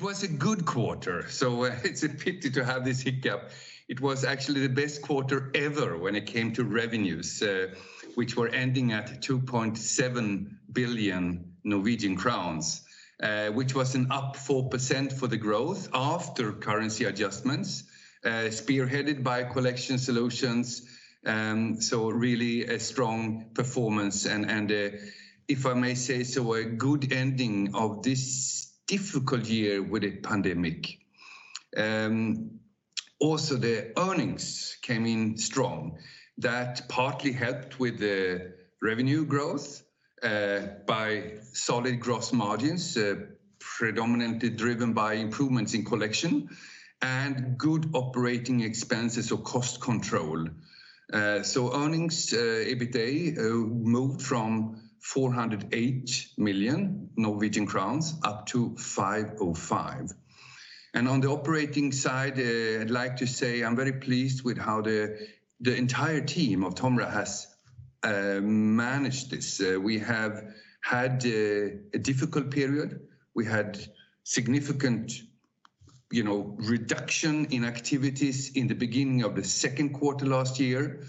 It was a good quarter. It's a pity to have this hiccup. It was actually the best quarter ever when it came to revenues, which were ending at 2.7 billion Norwegian crowns, which was an up 4% for the growth after currency adjustments, spearheaded by Collection Solutions. Really a strong performance and, if I may say so, a good ending of this difficult year with the pandemic. Also, the earnings came in strong. That partly helped with the revenue growth by solid gross margins, predominantly driven by improvements in Collection and good operating expenses or cost control. Earnings, EBITDA, moved from 408 million Norwegian crowns up to 505 million. On the operating side, I'd like to say I'm very pleased with how the entire team of TOMRA has managed this. We have had a difficult period. We had significant reduction in activities in the beginning of the second quarter last year,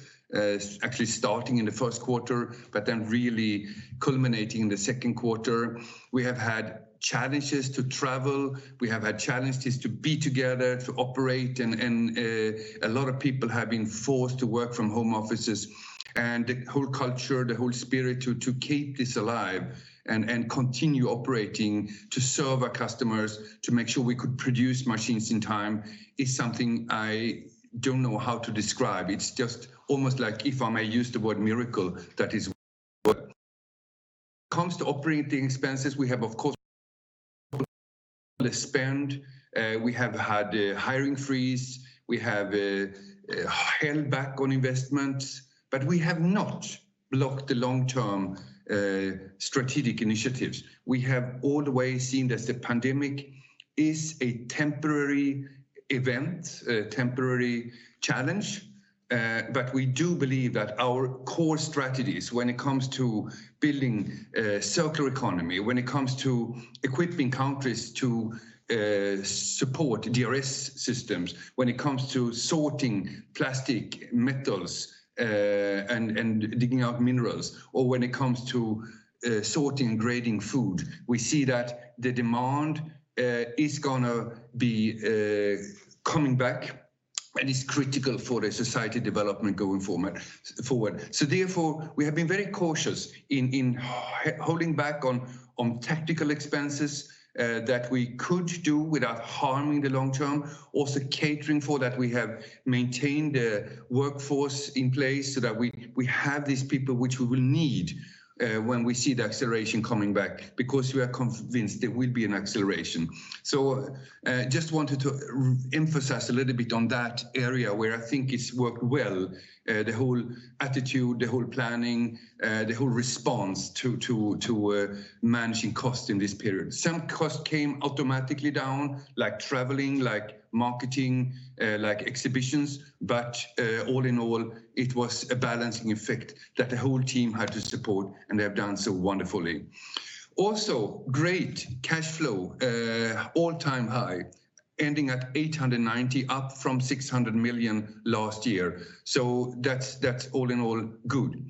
actually starting in the first quarter, but then really culminating in the second quarter. We have had challenges to travel, we have had challenges to be together, to operate, and a lot of people have been forced to work from home offices. The whole culture, the whole spirit to keep this alive and continue operating to serve our customers, to make sure we could produce machines in time, is something I don't know how to describe. It's just almost like, if I may use the word miracle, that is what comes to operating expenses, we have, of course, spend. We have had a hiring freeze. We have held back on investments, but we have not blocked the long-term strategic initiatives. We have all the way seen that the pandemic is a temporary event, a temporary challenge. We do believe that our core strategies when it comes to building a circular economy, when it comes to equipping countries to support DRS systems, when it comes to sorting plastic, metals, and digging out minerals, or when it comes to sorting, grading food, we see that the demand is going to be coming back and is critical for the society development going forward. Therefore, we have been very cautious in holding back on tactical expenses that we could do without harming the long-term. Also catering for that, we have maintained a workforce in place so that we have these people which we will need when we see the acceleration coming back, because we are convinced there will be an acceleration. Just wanted to emphasize a little bit on that area where I think it's worked well, the whole attitude, the whole planning, the whole response to managing cost in this period. Some cost came automatically down, like traveling, like marketing, like exhibitions. All in all, it was a balancing effect that the whole team had to support and they have done so wonderfully. Also, great cash flow, all-time high, ending at 890 million, up from 600 million last year. That's all in all good.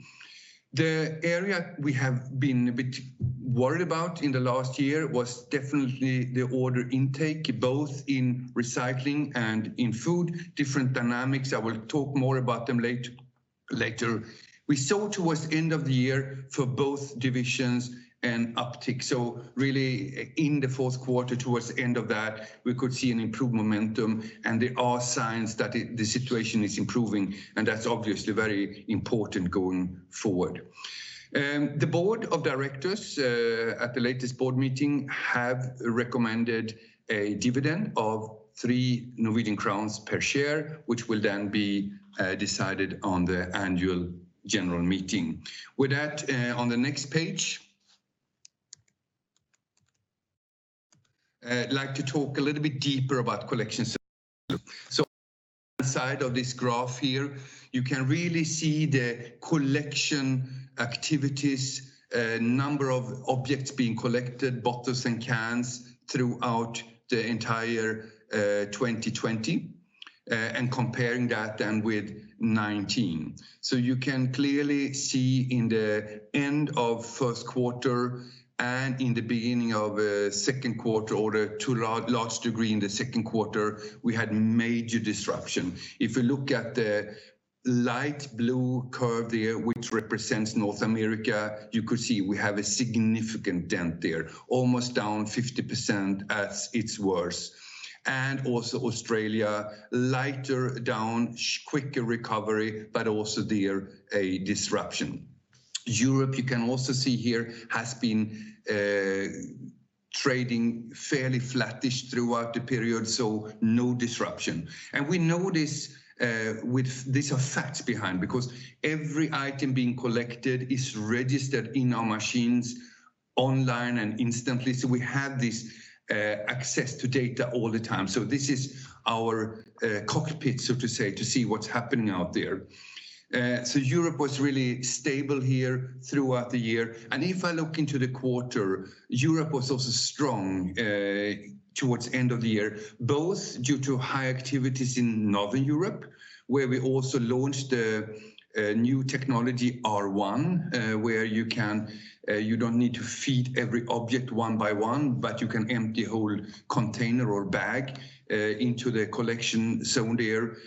The area we have been a bit worried about in the last year was definitely the order intake, both in Recycling and in Food, different dynamics. I will talk more about them later. We saw towards the end of the year for both divisions an uptick. Really in the fourth quarter, towards the end of that, we could see an improved momentum and there are signs that the situation is improving, and that's obviously very important going forward. The Board of Directors at the latest board meeting have recommended a dividend of 3 Norwegian crowns per share, which will then be decided on the Annual General Meeting. With that, on the next page, I'd like to talk a little bit deeper about Collection Solutions. Inside of this graph here, you can really see the collection activities, number of objects being collected, bottles and cans, throughout the entire 2020, and comparing that then with 2019. You can clearly see in the end of first quarter and in the beginning of second quarter, or to large degree in the second quarter, we had major disruption. If you look at the light blue curve there, which represents North America, you could see we have a significant dent there, almost down 50% at its worst. Also Australia, lighter down, quicker recovery, but also there, a disruption. Europe, you can also see here, has been trading fairly flattish throughout the period, so no disruption. We know this with these effects behind, because every item being collected is registered in our machines online and instantly. We had this access to data all the time. This is our cockpit, so to say, to see what's happening out there. Europe was really stable here throughout the year. If I look into the quarter, Europe was also strong towards end of the year, both due to high activities in Northern Europe, where we also launched a new technology, R1, where you don't need to feed every object one by one, but you can empty a whole container or bag into the collection zone there.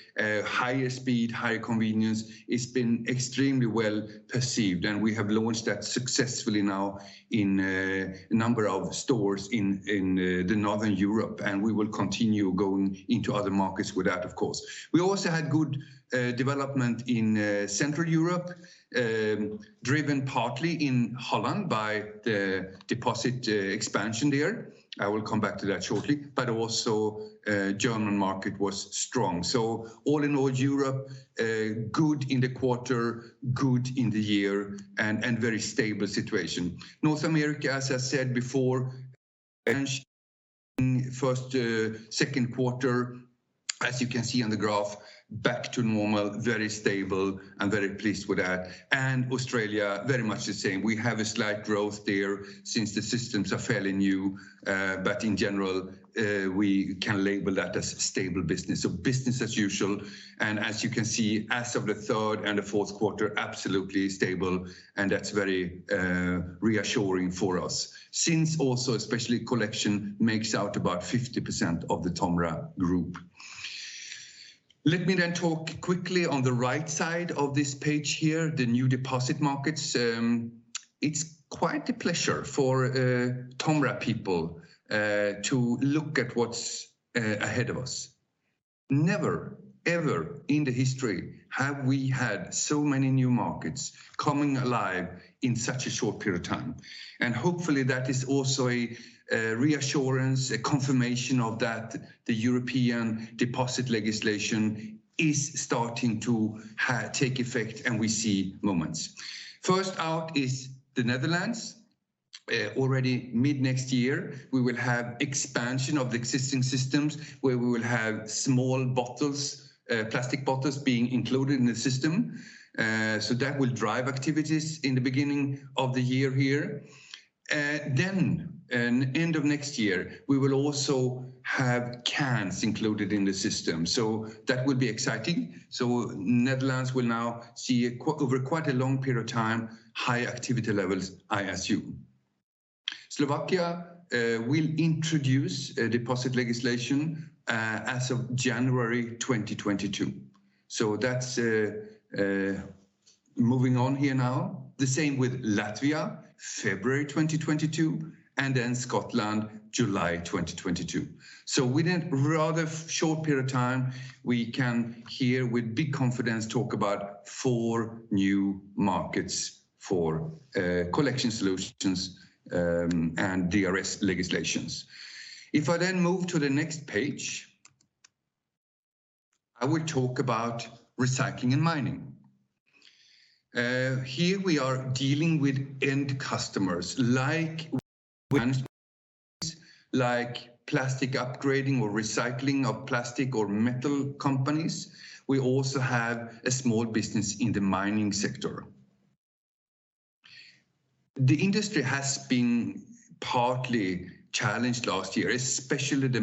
Higher speed, higher convenience. It's been extremely well-perceived, and we have launched that successfully now in a number of stores in Northern Europe. We will continue going into other markets with that, of course. We also had good development in Central Europe, driven partly in Holland by the deposit expansion there. I will come back to that shortly. Also German market was strong. All in all, Europe, good in the quarter, good in the year, and very stable situation. North America, as I said before, first, second quarter, as you can see on the graph, back to normal, very stable, and very pleased with that. Australia, very much the same. We have a slight growth there since the systems are fairly new. In general, we can label that as stable business. Business as usual. As you can see, as of the third and the fourth quarter, absolutely stable, and that's very reassuring for us since also especially Collection makes out about 50% of the TOMRA Group. Let me talk quickly on the right side of this page here, the new deposit markets. It's quite a pleasure for TOMRA people to look at what's ahead of us. Never, ever in the history have we had so many new markets coming alive in such a short period of time. Hopefully, that is also a reassurance, a confirmation of that, the European deposit legislation is starting to take effect, and we see momentum. First out is the Netherlands. Already mid-next year, we will have expansion of the existing systems, where we will have small bottles, plastic bottles being included in the system. That will drive activities in the beginning of the year here. End of next year, we will also have cans included in the system. That will be exciting. Netherlands will now see, over quite a long period of time, high activity levels, I assume. Slovakia will introduce a deposit legislation as of January 2022. That's moving on here now. The same with Latvia, February 2022, and then Scotland, July 2022. Within rather short period of time, we can here with big confidence talk about four new markets for Collection Solutions and DRS legislations. If I move to the next page, I will talk about Recycling and Mining. Here we are dealing with end customers, like waste management, like plastic upgrading or recycling of plastic or metal companies. We also have a small business in the mining sector. The industry has been partly challenged last year, especially the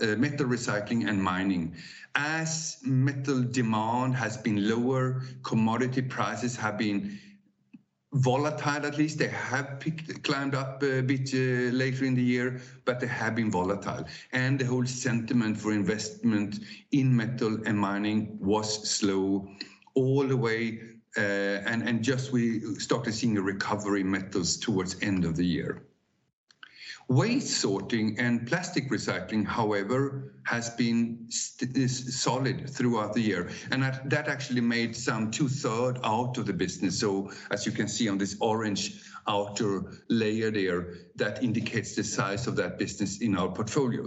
Metal Recycling and Mining. As metal demand has been lower, commodity prices have been volatile, at least. They have climbed up a bit later in the year, but they have been volatile. The whole sentiment for investment in Metal and Mining was slow all the way, and just we started seeing a recovery in metals towards end of the year. Waste sorting and plastic recycling, however, has been solid throughout the year, and that actually made some two-third out of the business. As you can see on this orange outer layer there, that indicates the size of that business in our portfolio.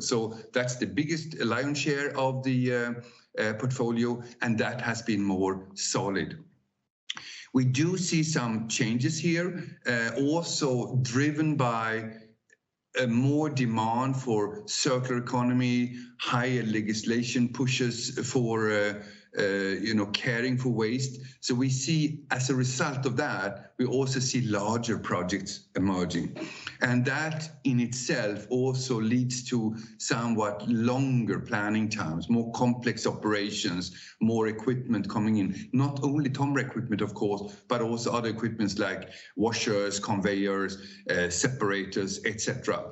That's the biggest lion's share of the portfolio, and that has been more solid. We do see some changes here, also driven by more demand for circular economy, higher legislation pushes for caring for waste. We see, as a result of that, we also see larger projects emerging. That in itself also leads to somewhat longer planning times, more complex operations, more equipments coming in. Not only TOMRA equipment, of course, but also other equipments like washers, conveyors, separators, et cetera.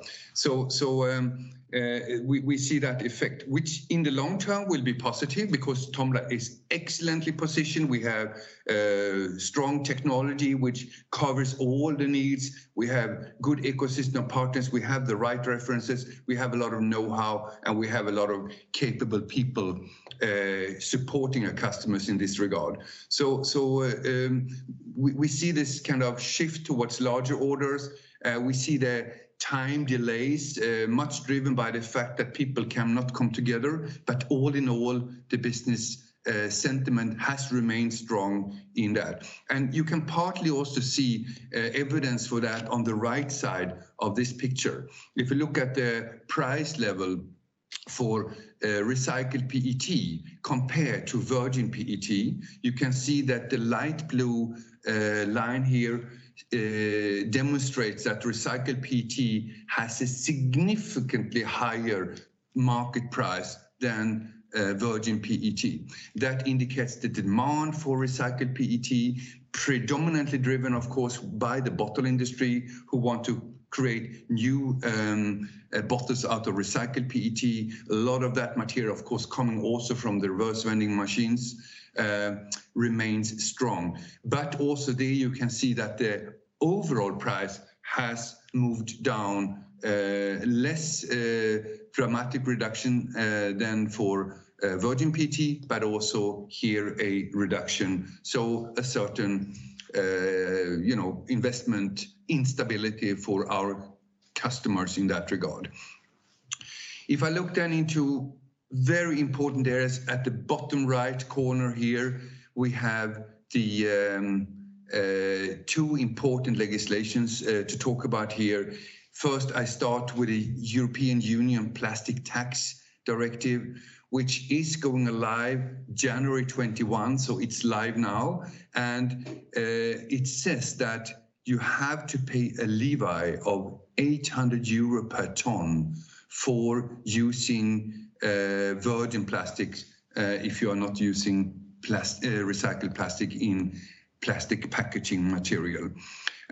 We see that effect, which in the long term will be positive because TOMRA is excellently positioned. We have strong technology which covers all the needs. We have good ecosystem partners. We have the right references. We have a lot of know-how, and we have a lot of capable people supporting our customers in this regard. We see this kind of shift towards larger orders. We see the time delays, much driven by the fact that people cannot come together. All in all, the business sentiment has remained strong in that. You can partly also see evidence for that on the right side of this picture. If you look at the price level for recycled PET compared to virgin PET, you can see that the light blue line here demonstrates that recycled PET has a significantly higher market price than virgin PET. That indicates the demand for recycled PET, predominantly driven, of course, by the bottle industry, who want to create new bottles out of recycled PET. A lot of that material, of course, coming also from the reverse vending machines, remains strong. Also there you can see that the overall price has moved down, less dramatic reduction than for virgin PET, but also here a reduction. A certain investment instability for our customers in that regard. If I look then into very important areas at the bottom right corner here, we have the two important legislations to talk about here. I start with the European Union Plastic Tax Directive, which is going live January 2021, so it's live now. It says that you have to pay a levy of 800 euro per ton for using virgin plastic if you are not using recycled plastic in plastic packaging material.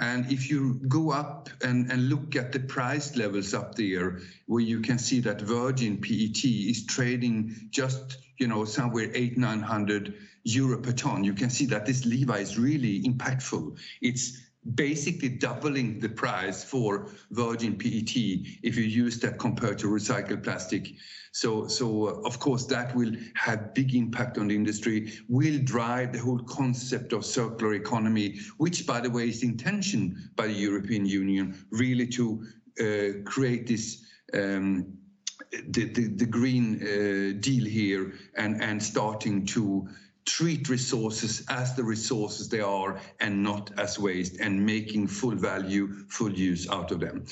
If you go up and look at the price levels up there, where you can see that virgin PET is trading just somewhere 800 euro, 900 euro per ton, you can see that this levy is really impactful. It's basically doubling the price for virgin PET if you use that compared to recycled plastic. Of course, that will have big impact on the industry, will drive the whole concept of circular economy, which by the way is intentioned by the European Union really to create the Green Deal here and starting to treat resources as the resources they are and not as waste and making full value, full use out of them.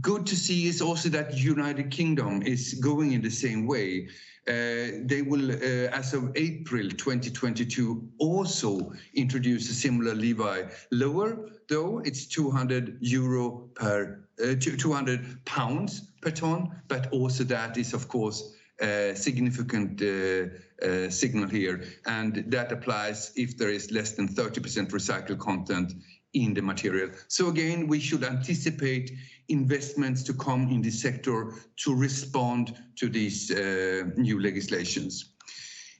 Good to see is also that United Kingdom. is going in the same way. They will, as of April 2022, also introduce a similar levy. Lower, though, it's GBP 200 per ton, but also that is of course a significant signal here, and that applies if there is less than 30% recycled content in the material. Again, we should anticipate investments to come in this sector to respond to these new legislations.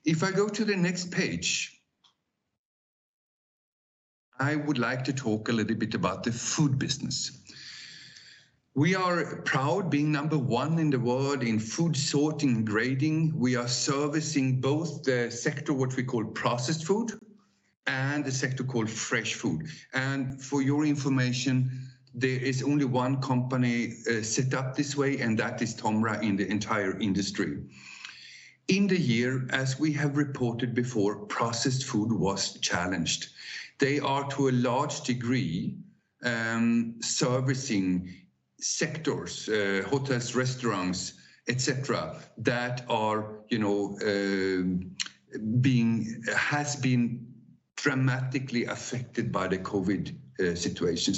If I go to the next page, I would like to talk a little bit about the Food business. We are proud being number one in the world in food sorting and grading. We are servicing both the sector, what we call Processed Food, and the sector called Fresh Food. For your information, there is only one company set up this way, that is TOMRA in the entire industry. In the year, as we have reported before, Processed Food was challenged. They are to a large degree servicing sectors, hotels, restaurants, et cetera, that has been dramatically affected by the COVID situation.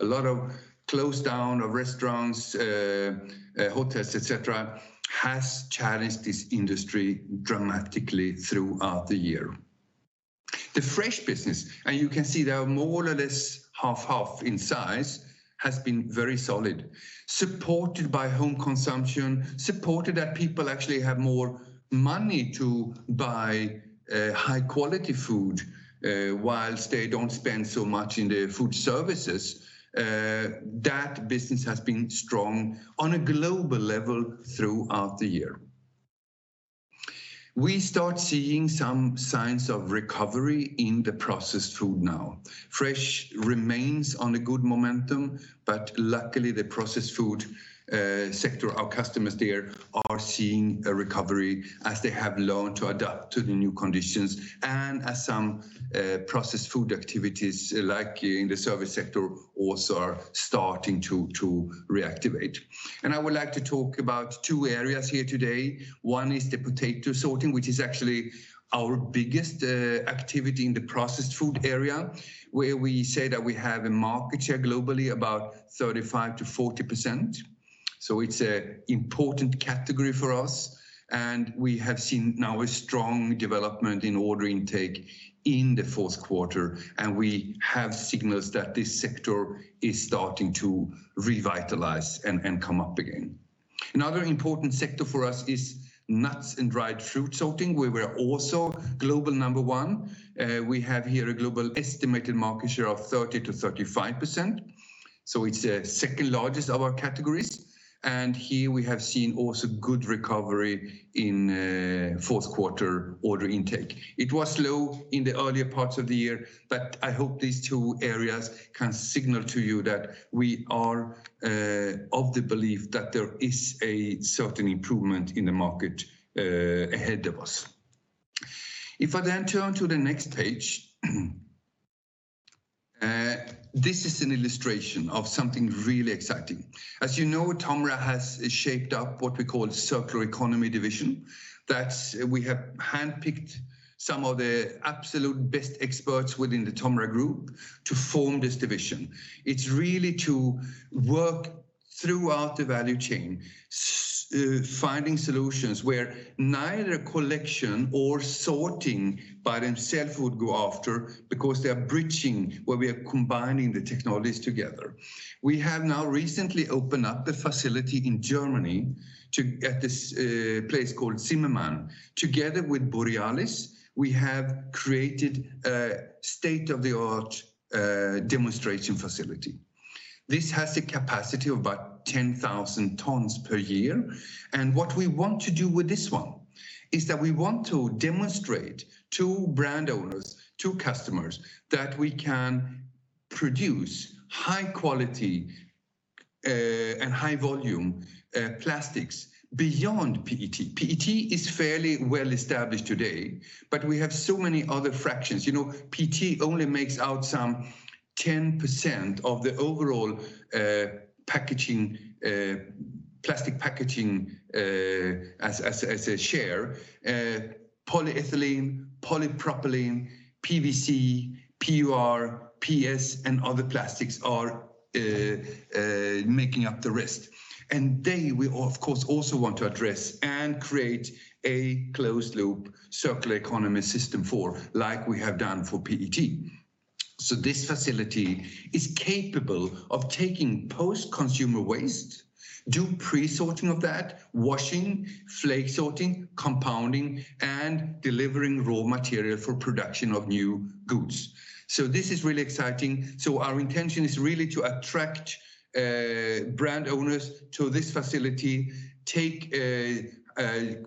A lot of closedown of restaurants, hotels, et cetera, has challenged this industry dramatically throughout the year. The Fresh business, and you can see they are more or less half-half in size, has been very solid, supported by home consumption, supported that people actually have more money to buy high-quality food, whilst they don't spend so much in the food services. That business has been strong on a global level throughout the year. We start seeing some signs of recovery in the Processed Food now. Fresh remains on a good momentum, but luckily, the Processed Food sector, our customers there are seeing a recovery as they have learned to adapt to the new conditions and as some Processed Food activities, like in the service sector, also are starting to reactivate. I would like to talk about two areas here today. One is the potato sorting, which is actually our biggest activity in the Processed Food area, where we say that we have a market share globally about 35%-40%. It's an important category for us, and we have seen now a strong development in order intake in the fourth quarter, and we have signals that this sector is starting to revitalize and come up again. Another important sector for us is nuts and dried fruit sorting, where we're also global number one. We have here a global estimated market share of 30%-35%, so it's the second largest of our categories. Here we have seen also good recovery in fourth quarter order intake. It was low in the earlier parts of the year, I hope these two areas can signal to you that we are of the belief that there is a certain improvement in the market ahead of us. If I then turn to the next page. This is an illustration of something really exciting. As you know, TOMRA has shaped up what we call Circular Economy division. We have handpicked some of the absolute best experts within the TOMRA group to form this division. It's really to work throughout the value chain, finding solutions where neither Collection or Sorting by themself would go after, because they are bridging where we are combining the technologies together. We have now recently opened up the facility in Germany at this place called Zimmermann. Together with Borealis, we have created a state-of-the-art demonstration facility. This has a capacity of about 10,000 tons per year. What we want to do with this one is that we want to demonstrate to brand owners, to customers, that we can produce high quality and high volume plastics beyond PET. PET is fairly well-established today, but we have so many other fractions. PET only makes out some 10% of the overall plastic packaging as a share. Polyethylene, polypropylene, PVC, PUR, PS, and other plastics are making up the rest. They, we of course also want to address and create a closed-loop circular economy system for, like we have done for PET. This facility is capable of taking post-consumer waste, do pre-sorting of that, washing, flake sorting, compounding, and delivering raw material for production of new goods. This is really exciting. Our intention is really to attract brand owners to this facility, take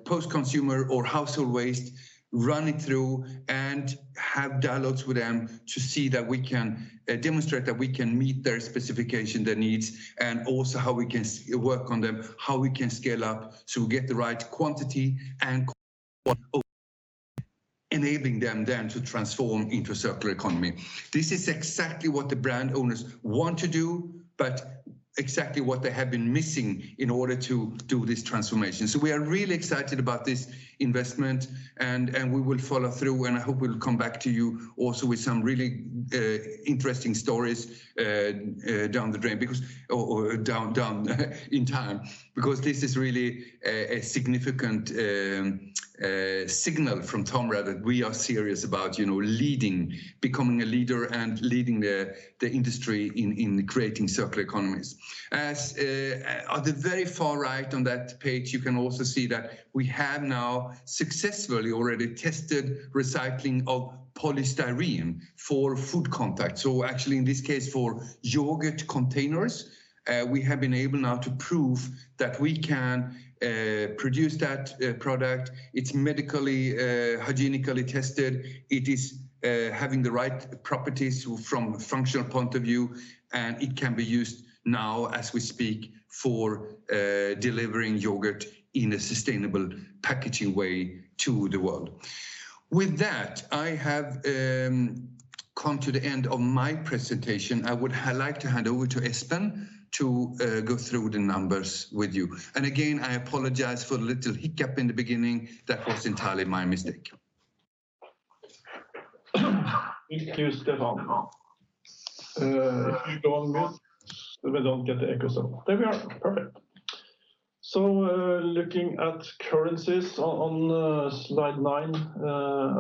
post-consumer or household waste, run it through, and have dialogues with them to see that we can demonstrate that we can meet their specification, their needs, and also how we can work on them, how we can scale up to get the right quantity and enabling them then to transform into circular economy. This is exactly what the brand owners want to do, but exactly what they have been missing in order to do this transformation. We are really excited about this investment, and we will follow through, and I hope we'll come back to you also with some really interesting stories down the line, or down in time, because this is really a significant signal from TOMRA that we are serious about becoming a leader and leading the industry in creating circular economies. At the very far right on that page, you can also see that we have now successfully already tested recycling of polystyrene for food contact. Actually, in this case, for yogurt containers. We have been able now to prove that we can produce that product. It's medically hygienically tested. It is having the right properties from a functional point of view, and it can be used now as we speak for delivering yogurt in a sustainable packaging way to the world. With that, I have come to the end of my presentation. I would like to hand over to Espen to go through the numbers with you. Again, I apologize for the little hiccup in the beginning. That was entirely my mistake. Thank you, Stefan. If you go on, we don't get the echo, so there we are. Perfect. Looking at currencies on slide nine,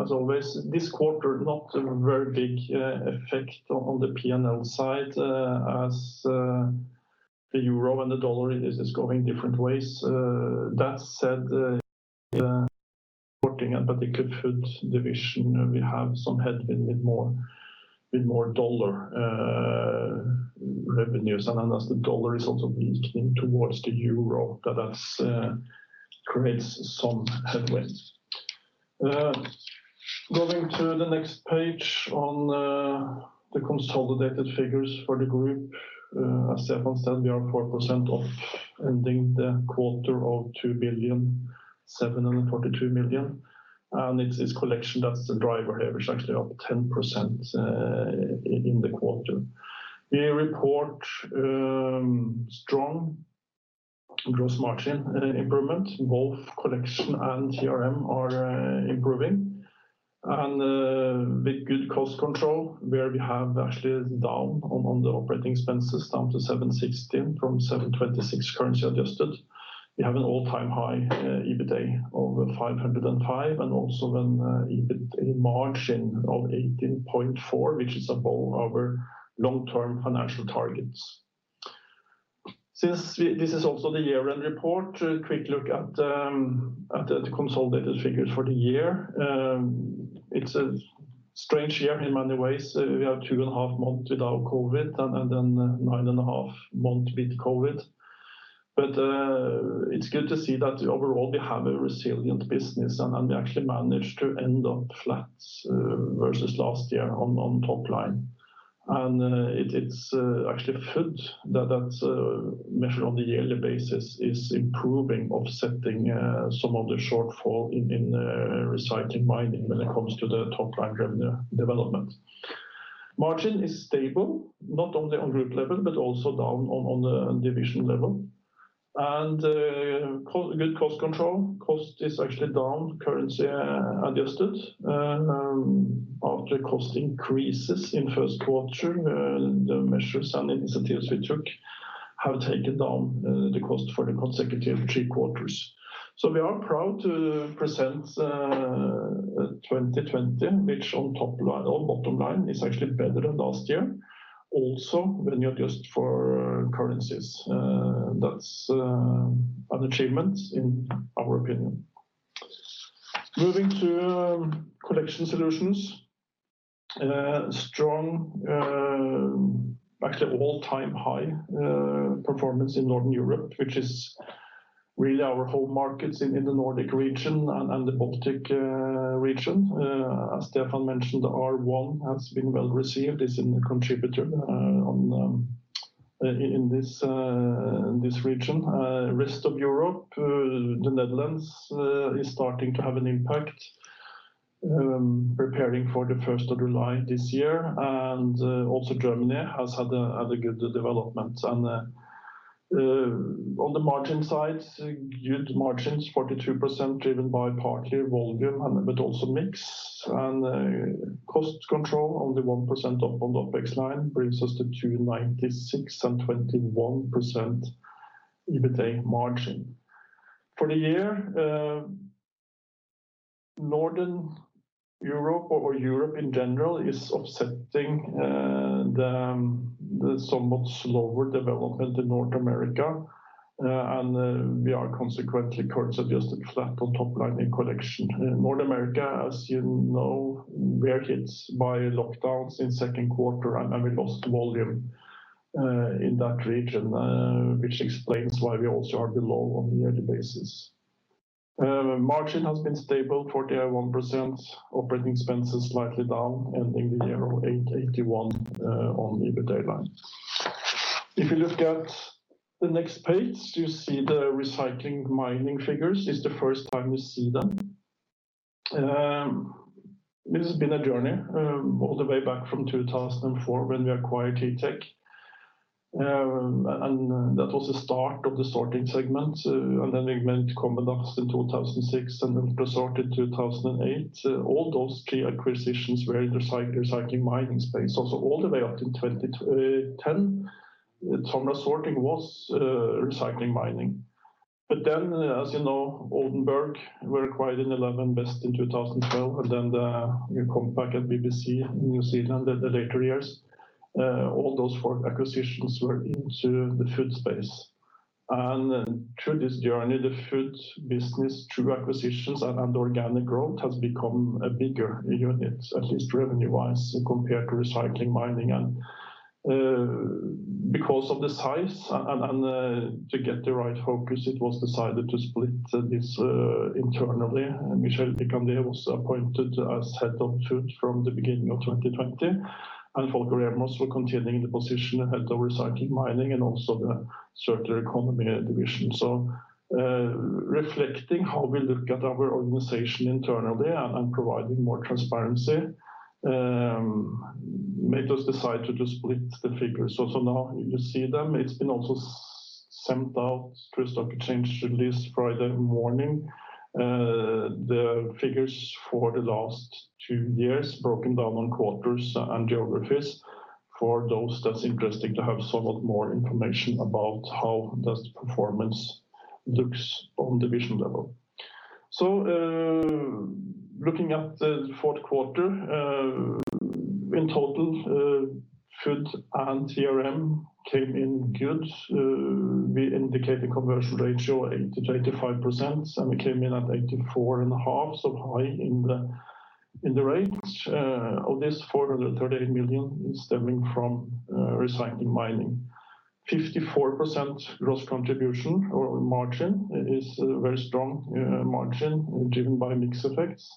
as always, this quarter not a very big effect on the P&L side as the euro and the dollar is going different ways. That said, looking at the Food division, we have some headwind with more dollar revenues, and as the dollar is also weakening towards the euro, that creates some headwinds. Going to the next page on the consolidated figures for the group. As Stefan said, we are 4% up ending the quarter of 2 billion, 742 million. It's Collection that's the driver here, which is actually up 10% in the quarter. We report strong gross margin improvement. Both Collection and GRM are improving. With good cost control, where we have actually down on the operating expenses, down to 716 from 726 currency adjusted. We have an all-time high EBITDA of 505 and also an EBITA margin of 18.4%, which is above our long-term financial targets. Since this is also the year-end report, a quick look at the consolidated figures for the year. It's a strange year in many ways. We have two and a half months without COVID and then 9.5 Months with COVID. It's good to see that overall we have a resilient business, and we actually managed to end up flat versus last year on top line. It's actually TOMRA Food that, measured on the yearly basis, is improving, offsetting some of the shortfall in Recycling and Mining when it comes to the top-line revenue development. Margin is stable, not only on group level, but also down on the division level. Good cost control. Cost is actually down currency adjusted, after cost increases in first quarter, the measures and initiatives we took have taken down the cost for the consecutive three quarters. We are proud to present 2020, which on bottom line is actually better than last year. Also when you adjust for currencies. That's an achievement in our opinion. Moving to Collection Solutions. Strong, actually all-time high performance in Northern Europe, which is really our home markets in the Nordic region and the Baltic region. As Stefan mentioned, R1 has been well-received, is in the contributor in this region. Rest of Europe, the Netherlands is starting to have an impact preparing for the 1st of July this year. Also Germany has had a good development. On the margin sides, good margins, 42% driven by partly volume but also mix and cost control on the 1% up on the OpEx line brings us to 296 and 21% EBITA margin. For the year, Northern Europe or Europe in general is offsetting the somewhat slower development in North America. We are consequently currency adjusted flat on top line in Collection. North America, as you know, we are hit by lockdowns in second quarter and we lost volume in that region, which explains why we also are below on a yearly basis. Margin has been stable, 41%, operating expenses slightly down, ending the year on 881 on EBITA line. If you look at the next page, you see the Recycling and Mining figures. It's the first time you see them. This has been a journey all the way back from 2004 when we acquired TiTech. That was the start of the Sorting segment. Then we went to Commodas in 2006 and then ProSort in 2008. All those key acquisitions were in the Recycling and Mining space. All the way up in 2010, TOMRA Sorting was Recycling and Mining. As you know, Odenberg were acquired in 2011, BEST Sorting in 2012, and then the Compac and BBC Technologies in New Zealand in the later years. All those four acquisitions were into the Food space. Through this journey, the Food business, through acquisitions and organic growth, has become a bigger unit, at least revenue-wise, compared to Recycling and Mining. Because of the size and to get the right focus, it was decided to split this internally. Michel Picandet was appointed as Head of TOMRA Food from the beginning of 2020, Volker Rehrmann for continuing the position of Head of TOMRA Recycling, and also the Circular Economy division. Reflecting how we look at our organization internally and providing more transparency made us decide to just split the figures. Now you see them. It's been also sent out through stock exchange release Friday morning. The figures for the last two years, broken down on quarters and geographies for those that's interesting to have somewhat more information about how does the performance looks on division level. Looking at the fourth quarter in total, TOMRA Food and TRM came in good. We indicate the conversion ratio 80%-85%, we came in at 84.5%, high in the range. Of this, 438 million is stemming from Recycling and Mining. 54% gross contribution or margin is a very strong margin driven by mix effects.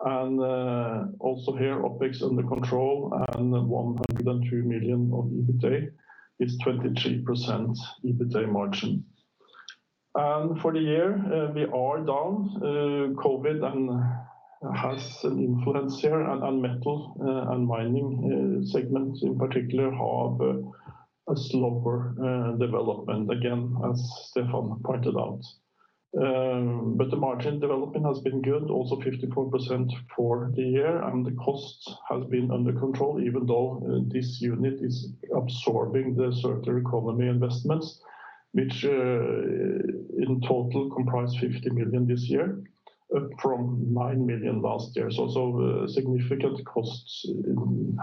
Also here, OpEx under control and 102 million of EBITA is 23% EBITA margin. For the year, we are down. COVID has an influence here, and Metal and Mining segments in particular have a slower development, again, as Stefan pointed out. The margin development has been good, also 54% for the year, and the costs have been under control, even though this unit is absorbing the circular economy investments, which in total comprise 50 million this year, up from 9 million last year. Significant costs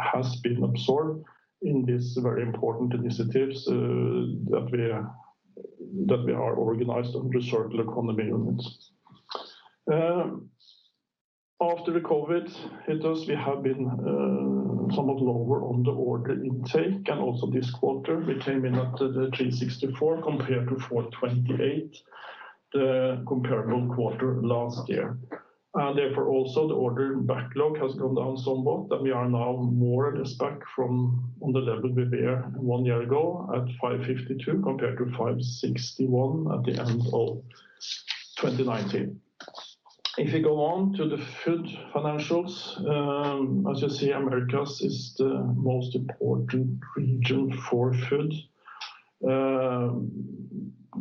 has been absorbed in these very important initiatives that we are organized under circular economy units. After the COVID hitters, we have been somewhat lower on the order intake, and also this quarter we came in at 364 compared to 428 the comparable quarter last year. Therefore also the order backlog has gone down somewhat, and we are now more or less back on the level we were one year ago at 552 compared to 561 at the end of 2019. If you go on to the Food financials, as you see, Americas is the most important region for Food.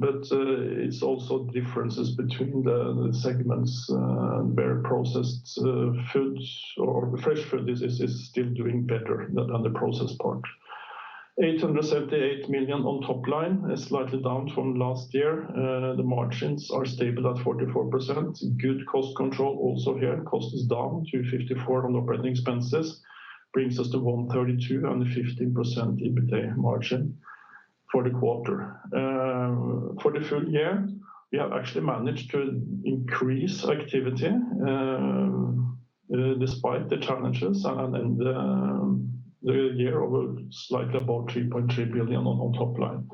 It's also differences between the segments, very Processed Foods or the Fresh Food is still doing better than the processed part. 878 million on top line is slightly down from last year. The margins are stable at 44%. Good cost control also here. Cost is down to 54 on OpEx, brings us to 132 on the 15% EBITDA margin for the quarter. For the full year, we have actually managed to increase activity despite the challenges and the year over slightly above 3.3 billion on top line.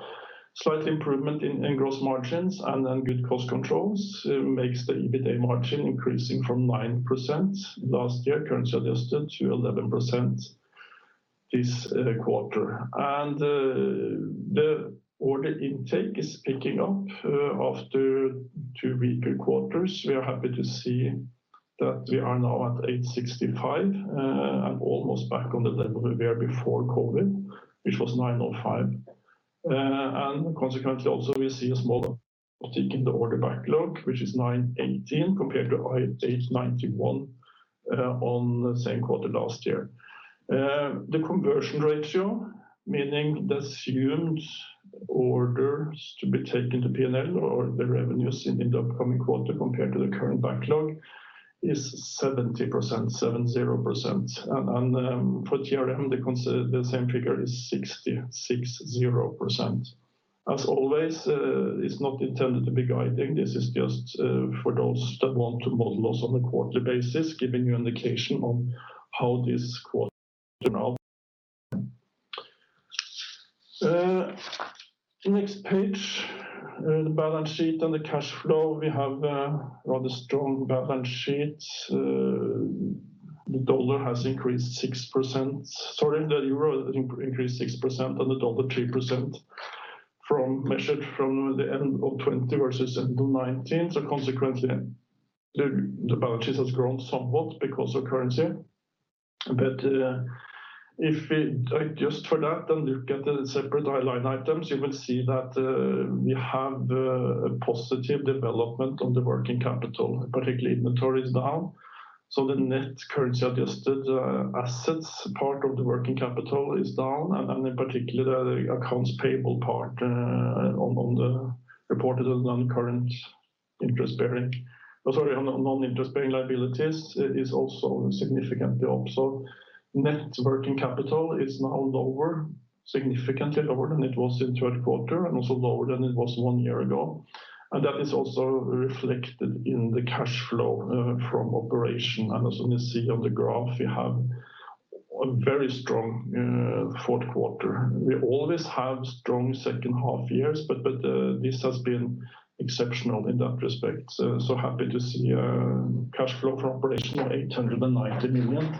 Slight improvement in gross margins and good cost controls makes the EBITDA margin increasing from 9% last year, currency adjusted to 11% this quarter. The order intake is picking up after two weaker quarters. We are happy to see that we are now at 865 and almost back on the level we were before COVID, which was 905. Consequently also, we see a small uptick in the order backlog, which is 918 compared to 891 on the same quarter last year. The conversion ratio, meaning the assumed orders to be taken to P&L or the revenues in the upcoming quarter compared to the current backlog, is 70%, seven zero percent. For GRM, the same figure is 60%, six zero percent. As always, it's not intended to be guiding. This is just for those that want to model us on a quarter basis, giving you indication on how this quarter turned out. Next page, the balance sheet and the cash flow. We have a rather strong balance sheet. Dollar has increase 6%. The euro increased 6% and the dollar 3% measured from the end of 2020 versus end of 2019. Consequently, the balance sheet has grown somewhat because of currency. If we adjust for that and look at the separate line items, you will see that we have a positive development on the working capital, particularly inventory is down. The net currency adjusted assets part of the working capital is down, and in particular, the accounts payable part on the reported non-interest-bearing liabilities is also significantly up. Net working capital is now lower, significantly lower than it was in third quarter and also lower than it was one year ago. That is also reflected in the cash flow from operation. As you can see on the graph, we have a very strong fourth quarter. We always have strong second half years, but this has been exceptional in that respect. Happy to see cash flow from operation of 890 million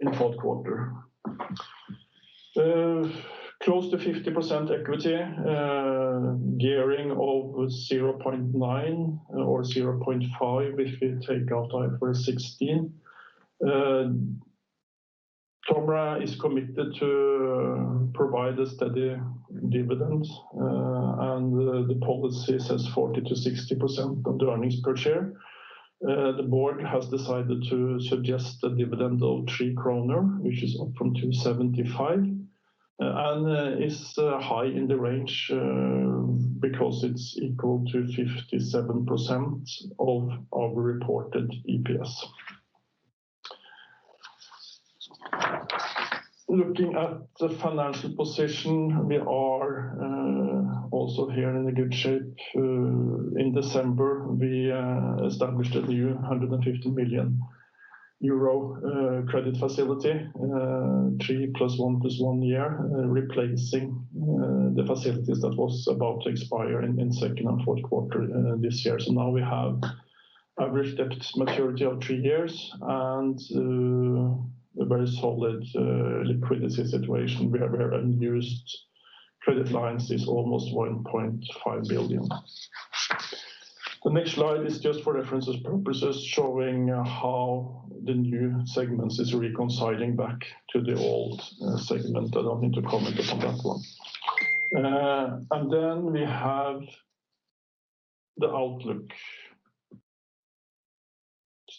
in fourth quarter. Close to 50% equity gearing of 0.9 or 0.5 if you take out IFRS 16. TOMRA is committed to provide a steady dividend, and the policy says 40%-60% of the earnings per share. The board has decided to suggest a dividend of 3 kroner, which is up from 2.75, and is high in the range because it's equal to 57% of our reported EPS. Looking at the financial position, we are also here in a good shape. In December, we established a new 150 million euro credit facility, three plus one plus one year, replacing the facilities that was about to expire in second and fourth quarter this year. Now we have average debt maturity of three years and a very solid liquidity situation. We have unused credit lines is almost 1.5 billion. The next slide is just for reference purposes, showing how the new segments is reconciling back to the old segment. I don't need to comment on that one. We have the outlook.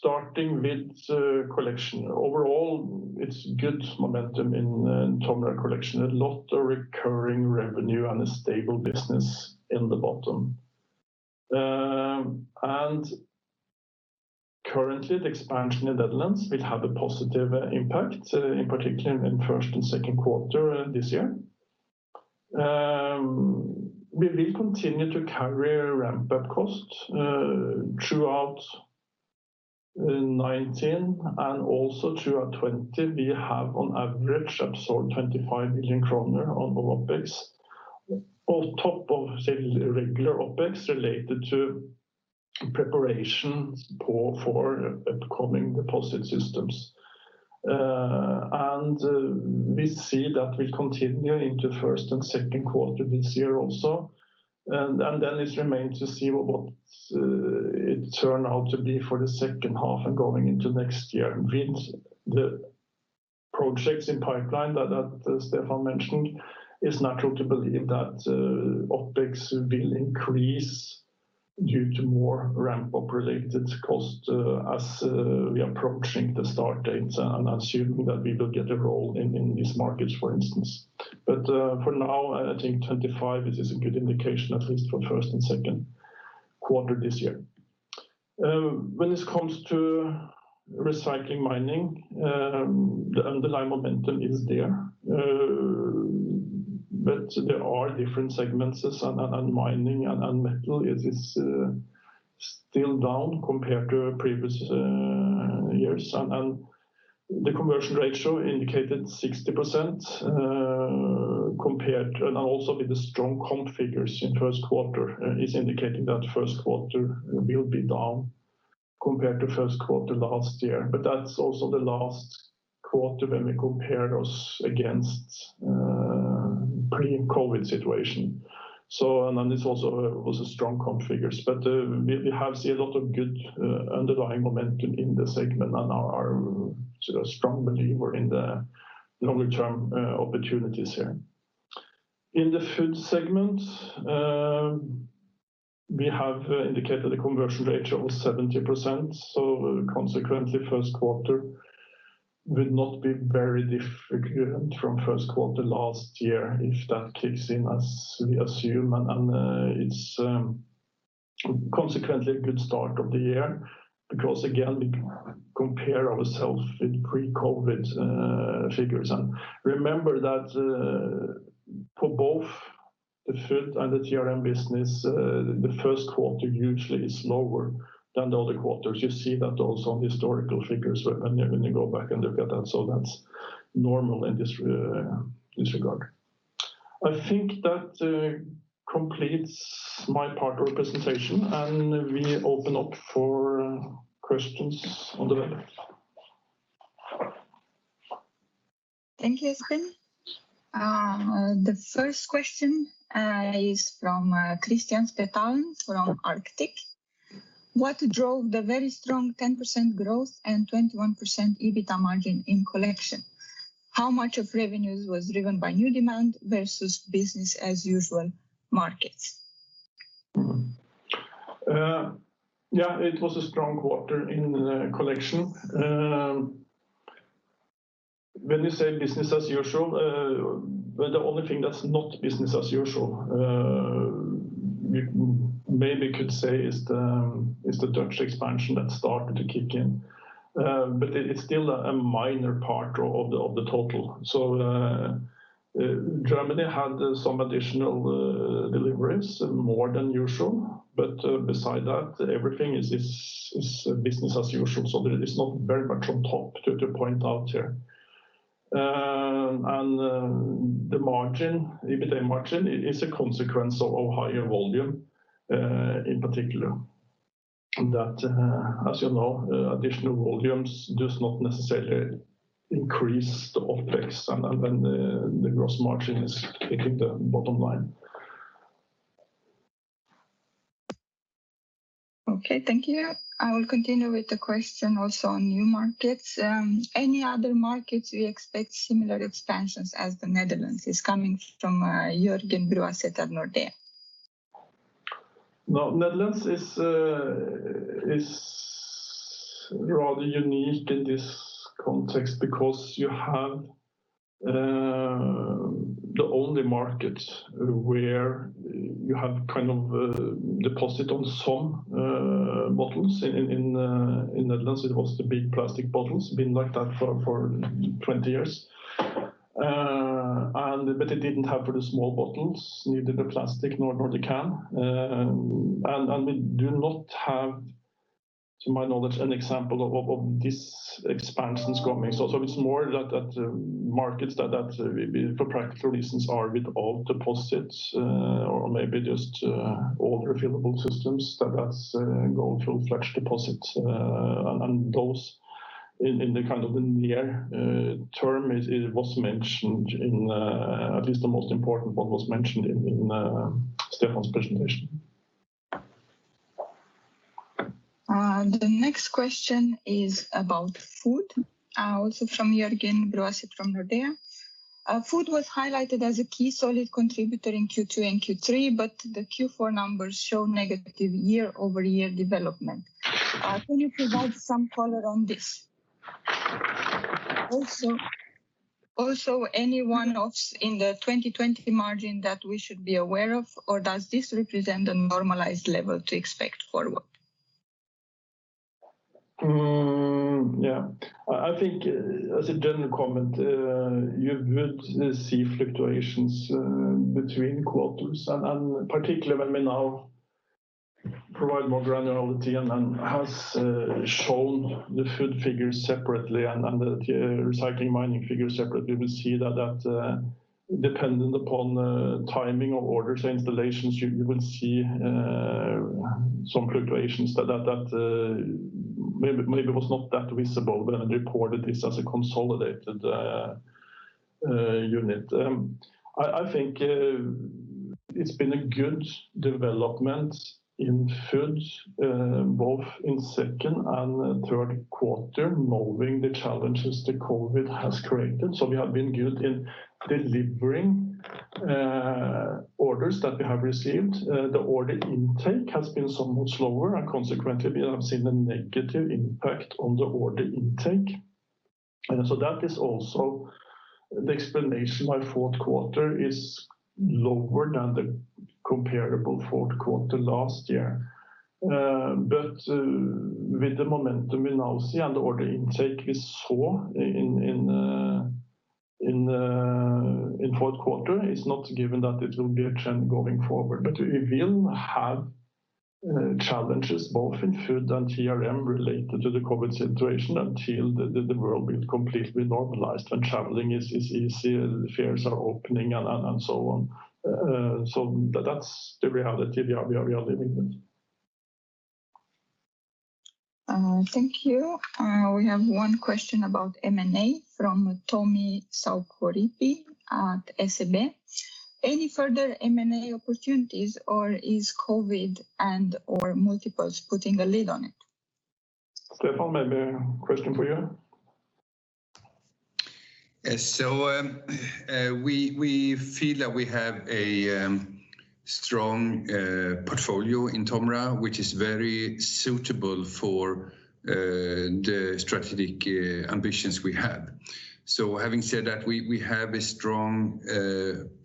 Starting with TOMRA Collection. Overall, it's good momentum in TOMRA Collection. A lot of recurring revenue and a stable business in the bottom. Currently, the expansion in the Netherlands will have a positive impact, in particular in first and second quarter this year. We will continue to carry ramp-up costs throughout 2019 and also throughout 2020. We have on average absorbed 25 million kroner on the OpEx. On top of the regular OpEx related to preparation for upcoming deposit systems. We see that will continue into first and second quarter this year also. Then it remains to see what it turn out to be for the second half and going into next year. With the projects in pipeline that Stefan mentioned, it's natural to believe that OpEx will increase due to more ramp-up related cost as we're approaching the start dates and assuming that we will get a role in these markets, for instance. For now, I think 25 is a good indication, at least for first and second quarter this year. When it comes to Recycling and Mining, the underlying momentum is there. There are different segments and Mining and Metal is still down compared to previous years. The conversion ratio indicated 60%, and also with the strong comp figures in first quarter is indicating that first quarter will be down compared to first quarter last year. That's also the last quarter when we compare us against pre-COVID situation. This also was a strong comp figures. We have seen a lot of good underlying momentum in the segment and are a strong believer in the longer-term opportunities here. In the Food segment, we have indicated a conversion ratio of 70%, so consequently, first quarter will not be very different from first quarter last year if that kicks in as we assume. It's consequently a good start of the year because, again, we compare ourselves with pre-COVID figures. Remember that for both the Food and the GRM business, the first quarter usually is lower than the other quarters. You see that also on historical figures when you go back and look at that. That's normal in this regard. I think that completes my part of the presentation, and we open up for questions on the web. Thank you, Espen. The first question is from Kristian Spetalen from Arctic. "What drove the very strong 10% growth and 21% EBITDA margin in Collection? How much of revenues was driven by new demand versus business as usual markets? Yeah, it was a strong quarter in Collection. When you say business as usual, well, the only thing that's not business as usual, maybe could say, is the Dutch expansion that's started to kick in. It's still a minor part of the total. Germany had some additional deliveries, more than usual. Besides that, everything is business as usual, there is not very much on top to point out there. The EBITDA margin is a consequence of higher volume in particular. That, as you know, additional volumes does not necessarily increase the OpEx, then the gross margin is hitting the bottom line. Okay. Thank you. I will continue with the question also on new markets. "Any other markets we expect similar expansions as the Netherlands?" It is coming from Jørgen Bruaset of Nordea. Netherlands is rather unique in this context because you have the only market where you have kind of deposit on some bottles. In Netherlands, it was the big plastic bottles, been like that for 20 years. It didn't have for the small bottles, neither the plastic nor the can. We do not have, to my knowledge, an example of this expansions coming. It's more that markets that, for practical reasons, are with all deposits or maybe just all refillable systems, that's going through flex deposits. Those in the near term, at least the most important one, was mentioned in Stefan's presentation. The next question is about Food, also from Jørgen Bruaset from Nordea. "Food was highlighted as a key solid contributor in Q2 and Q3, but the Q4 numbers show negative year-over-year development. Can you provide some color on this? Also, any one-offs in the 2020 margin that we should be aware of, or does this represent a normalized level to expect forward? Yeah. I think as a general comment, you would see fluctuations between quarters, and particularly when we now provide more granularity and has shown the Food figures separately and the TOMRA Recycling figures separately. We see that dependent upon timing of orders and installations, you would see some fluctuations that maybe was not that visible when reported this as a consolidated unit. I think it's been a good development in Food, both in second and third quarter, moving the challenges that COVID has created. We have been good in delivering orders that we have received. The order intake has been somewhat slower and consequently, we have seen a negative impact on the order intake. That is also the explanation why fourth quarter is lower than the comparable fourth quarter last year. With the momentum we now see and the order intake we saw in fourth quarter, it's not given that it will be a trend going forward. We will have challenges both in Food and TRM related to the COVID situation until the world is completely normalized and traveling is easier, the fairs are opening and so on. That's the reality we are living in. Thank you. We have one question about M&A from Tommi Saukkoriipi at SEB. Any further M&A opportunities, or is COVID and/or multiples putting a lid on it? Stefan, maybe a question for you. We feel that we have a strong portfolio in TOMRA, which is very suitable for the strategic ambitions we have. Having said that, we have a strong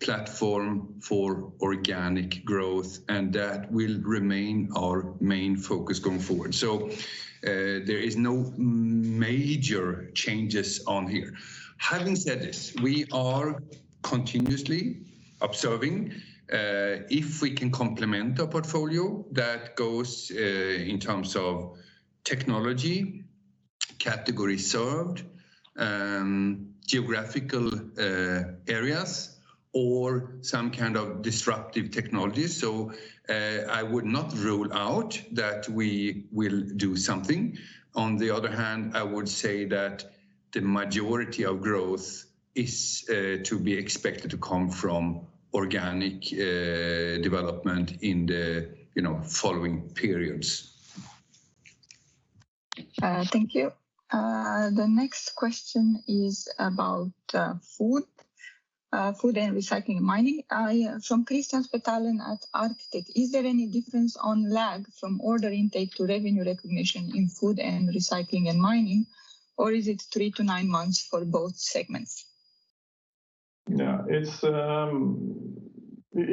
platform for organic growth, and that will remain our main focus going forward. There is no major changes on here. Having said this, we are continuously observing if we can complement our portfolio that goes in terms of technology, category served, geographical areas, or some kind of disruptive technologies. I would not rule out that we will do something. On the other hand, I would say that the majority of growth is to be expected to come from organic development in the following periods. Thank you. The next question is about Food and Recycling and Mining. From Kristian Spetalen at Arctic, is there any difference on lag from order intake to revenue recognition in Food and Recycling and Mining, or is it three to nine months for both segments? Yeah. If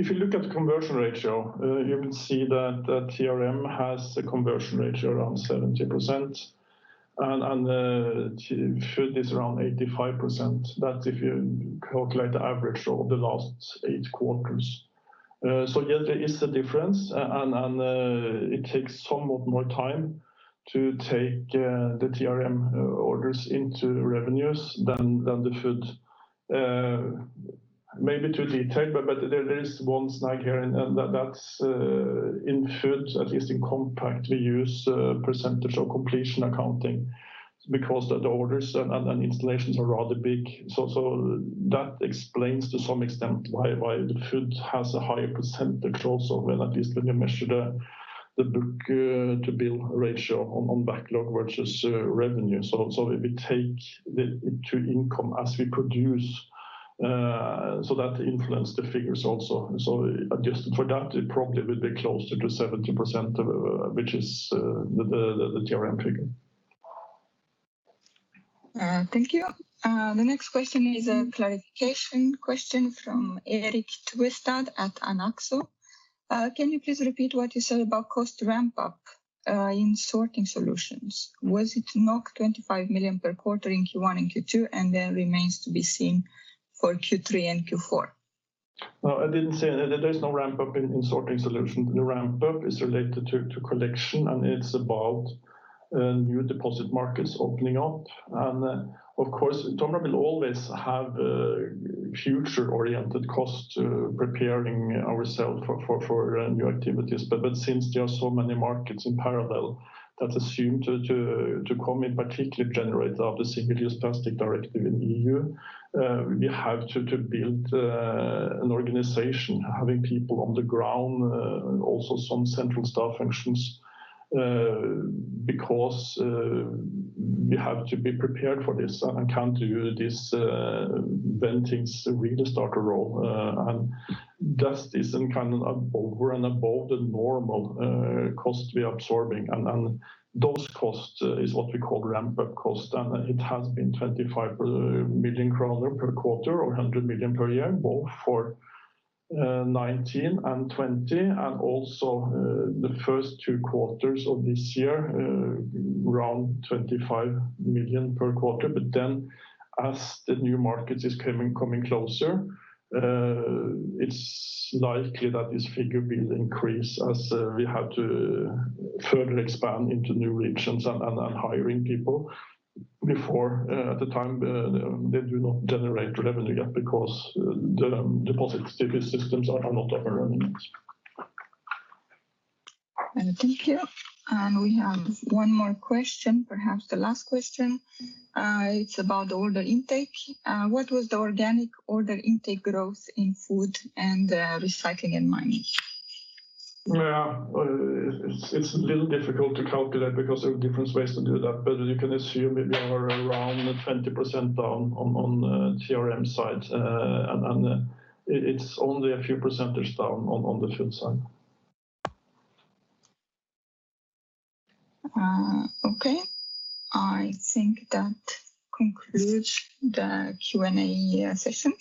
you look at the conversion ratio, you will see that TRM has a conversion ratio around 70%, and TOMRA Food is around 85%. That's if you calculate the average of the last eight quarters. Yes, there is a difference, and it takes somewhat more time to take the TRM orders into revenues than the Food. Maybe too detailed, but there is one snag here, and that's in Food, at least in Compac we use percentage of completion accounting because the orders and installations are rather big. That explains to some extent why Food has a higher percentage also, at least when you measure the book-to-bill ratio on backlog versus revenue. We take to income as we produce, so that influence the figures also. Adjusted for that, it probably will be closer to 70%, which is the TRM figure. Thank you. The next question is a clarification question from Erik Tveterstad at Anaxco. Can you please repeat what you said about cost ramp-up in Sorting Solutions? Was it 25 million per quarter in Q1 and Q2, and then remains to be seen for Q3 and Q4? No, I didn't say that. There is no ramp-up in Sorting Solution. The ramp-up is related to Collection, and it is about new deposit markets opening up. Of course, TOMRA will always have future-oriented cost preparing ourselves for new activities. Since there are so many markets in parallel that are assumed to come in, particularly generated out of the Single-Use Plastics Directive in EU, we have to build an organization having people on the ground and also some central staff functions because we have to be prepared for this and can't do this when things start rolling. That is over and above the normal cost we are absorbing, and those costs is what we call ramp-up cost. It has been 25 million kroner per quarter or 100 million per year, both for 2019 and 2020 and also the first two quarters of this year, around 25 million per quarter. As the new markets are coming closer, it's likely that this figure will increase as we have to further expand into new regions and hiring people before the time they do not generate revenue yet because the deposit systems are not up and running yet. Thank you. We have one more question, perhaps the last question. It's about order intake. What was the organic order intake growth in Food and Recycling and Mining? Yeah. It's a little difficult to calculate because there are different ways to do that, but you can assume it were around 20% down on TRM side, and it's only a few percentage down on the Food side. Okay. I think that concludes the Q&A session.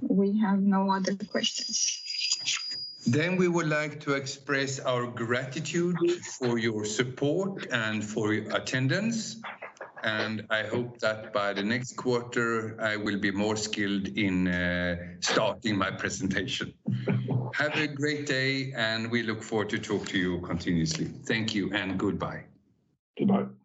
We have no other questions. We would like to express our gratitude for your support and for your attendance, and I hope that by the next quarter, I will be more skilled in starting my presentation. Have a great day, and we look forward to talk to you continuously. Thank you and goodbye. Goodbye.